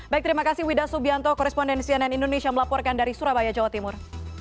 baik terima kasih wida subianto korespondensi ann indonesia melaporkan dari surabaya jawa timur